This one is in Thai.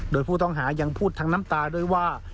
โดยผู้ต้องหายังพูดทั้งน้ำตาด้วยว่า